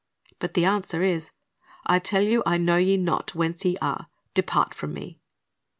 But the answer is, 'T tell you, I know you not whence ye are; depart from Me.''